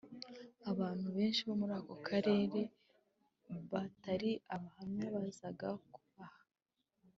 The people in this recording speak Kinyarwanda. Abantu benshi bo muri ako karere batari abahamya bazaga kubaha